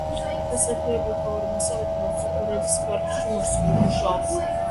დასაქმებულთა ორი მესამედი მომსახურების სფეროში მუშაობს.